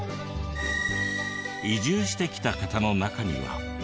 移住してきた方の中には。